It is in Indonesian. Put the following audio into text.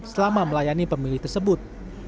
selama melayani pemilih tersebut